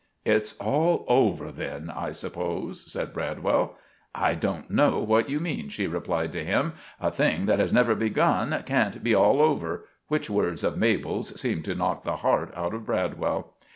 "It's all over then, I suppose," said Bradwell. "I don't know what you mean," she replied to him. "A thing that has never begun can't be all over"; which words of Mabel's seemed to knock the heart out of Bradwell.